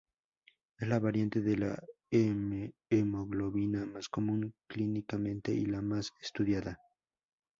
Es la variante de la hemoglobina más común clínicamente y la más estudiada.